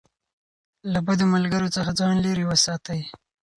له بدو ملګرو څخه ځان لېرې وساتئ.